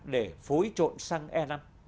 để phối trộn xăng e năm